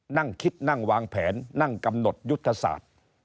นั่งคิดนั่งวางแผนนั่งกำหนดยุทธศาสตร์